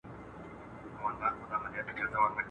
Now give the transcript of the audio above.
o ت